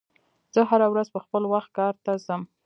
زه هره ورځ په خپل وخت کار ته ځم.